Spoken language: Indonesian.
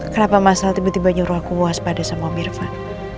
kenapa masal tiba tiba nyuruh aku waspada sama om irfan